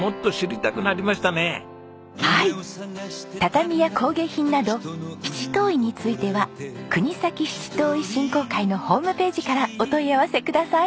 畳や工芸品など七島藺についてはくにさき七島藺振興会のホームページからお問い合わせください。